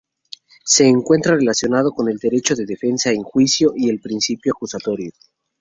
Se encuentra relacionado con el derecho de defensa en juicio y el principio acusatorio.